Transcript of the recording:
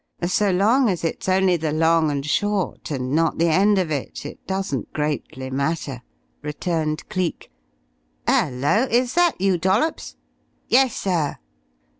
"So long as it's only the long and short, and not the end of it, it doesn't greatly matter," returned Cleek. "Hello! Is that you, Dollops?" "Yessir."